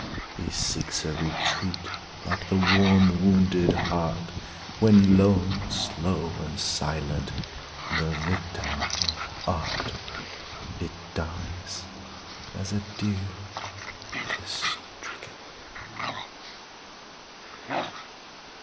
He seeks a retreat, like the warm, wounded heart, When, lone, slow, and silent, the victim of art, It dies, as a deer that is stricken.